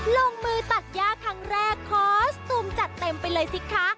ลงมือตัดย่าครั้งแรกคอสตูมจัดเต็มไปเลยสิคะ